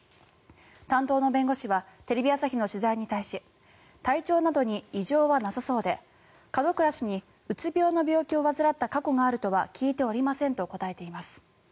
担当の弁護士はテレビ朝日の取材に対し体調などに異常はなさそうで門倉氏にうつ病の病気を患った過去があるとは聞いておりませんと答えています。